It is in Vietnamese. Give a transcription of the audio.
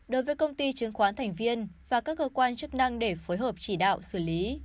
đối với công ty chứng khoán thành viên và các cơ quan chức năng để phối hợp chỉ đạo xử lý